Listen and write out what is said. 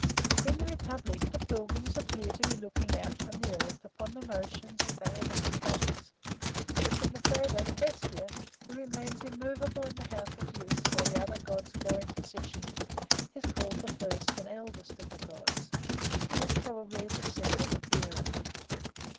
In the Republic the pilgrims appear to be looking out from the earth upon the motions of the heavenly bodies; in the Phaedrus, Hestia, who remains immovable in the house of Zeus while the other gods go in procession, is called the first and eldest of the gods, and is probably the symbol of the earth.